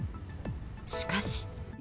しかし。